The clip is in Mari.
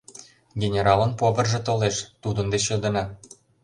— Генералын поварже толеш, тудын деч йодына...